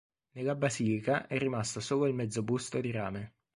Nella basilica è rimasto solo il mezzo busto di rame.